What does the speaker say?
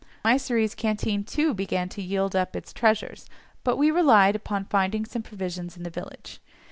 Mysseri's canteen too began to yield up its treasures, but we relied upon finding some provisions in the village.